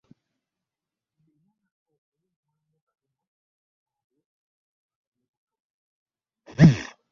Nnina okuwummulamu katono olwo tubakane buto.